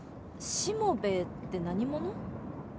しもべえって何者？